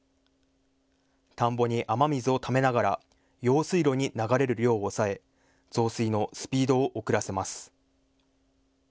田んぼに雨水をためながら用水路に流れる量を抑え、増水のスピードを遅らせます。